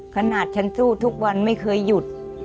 ขนาดฉันสู้ทุกวันไม่เคยหยุด